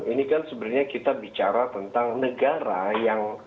ini kan sebenarnya kita bicara tentang negara yang